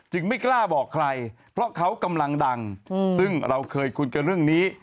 ไม่กล้าบอกใครเพราะเขากำลังดังซึ่งเราเคยคุยกันเรื่องนี้